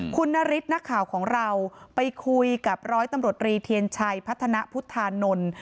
คุณนฤทธินักข่าวของเราไปคุยกับร้อยตำรวจรีเทียนชัยพัฒนาพุทธานนท์